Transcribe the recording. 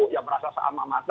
yang merasa sama sama